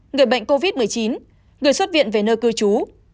người bệnh covid một mươi chín người xuất viện về nơi cư trú